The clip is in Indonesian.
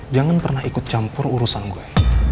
jangan pernah ikut campur urusan gue